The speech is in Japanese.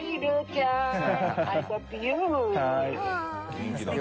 元気だね。